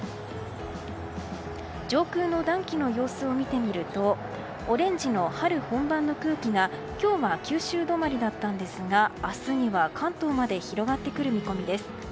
上空の暖気の様子を見てみるとオレンジの春本番の空気が今日は九州止まりだったんですが明日には関東まで広がってくる見込みなんです。